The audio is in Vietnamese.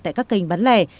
tại các kênh bán lẻ